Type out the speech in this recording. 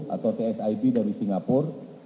atau tsib dari singapura